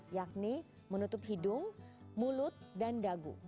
yakni menutup hidung mulut dan dagu